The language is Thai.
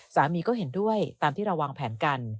สามีก็เห็นด้วยตามที่เราวางแผนกัน